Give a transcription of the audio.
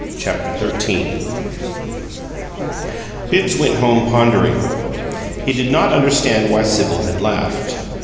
CHAPTER XIII Bibbs went home pondering. He did not understand why Sibyl had laughed.